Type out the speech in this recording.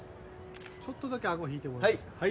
ちょっとだけ顎引いてもらえますか。